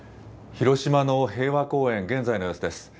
広島の平和公園、現在の様子です。